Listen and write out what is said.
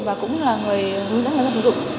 và cũng là người hướng dẫn người dân sử dụng